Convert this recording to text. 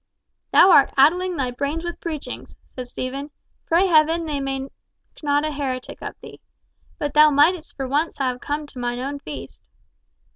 "Thou art addling thy brains with preachings!" said Stephen. "Pray Heaven they make not a heretic of thee. But thou mightest for once have come to mine own feast."